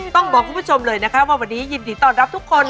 ต้องบอกคุณผู้ชมเลยนะคะว่าวันนี้ยินดีต้อนรับทุกคน